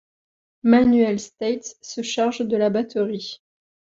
Manuel Steitz se charge de la batterie.